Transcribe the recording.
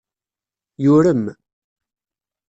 Yurem.